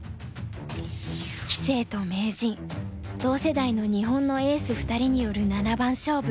同世代の日本のエース２人による七番勝負。